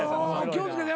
気を付けて。